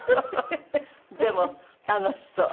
でも楽しそう。